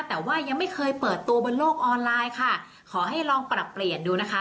แต่ว่ายังไม่เคยเปิดตัวบนโลกออนไลน์ค่ะขอให้ลองปรับเปลี่ยนดูนะคะ